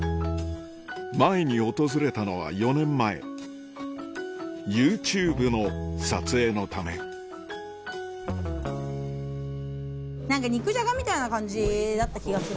前に訪れたのは４年前ＹｏｕＴｕｂｅの撮影のため何か肉じゃがみたいな感じだった気がする。